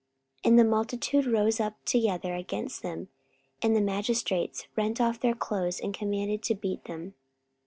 44:016:022 And the multitude rose up together against them: and the magistrates rent off their clothes, and commanded to beat them.